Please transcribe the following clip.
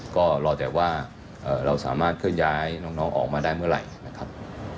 ก็รอแต่ว่าเราสามารถเคลื่อนย้ายน้องออกมาได้เมื่อไหร่นะครับ